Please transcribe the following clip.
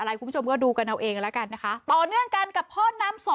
คุณผู้ชมก็ดูกันเอาเองแล้วกันนะคะต่อเนื่องกันกับพ่อน้ำสอ